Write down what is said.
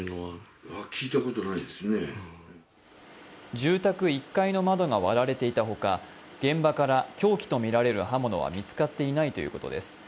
住宅１階の窓が割られていたほか、現場から凶器とみられる刃物は見つかっていないということです。